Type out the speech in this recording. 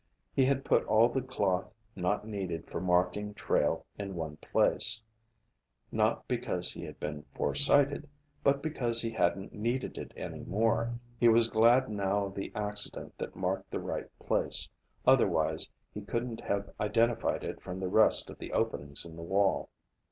He had put all the cloth not needed for marking trail in one place, not because he had been foresighted, but because he hadn't needed it any more. He was glad now of the accident that marked the right place, otherwise he couldn't have identified it from the rest of the openings in the wall.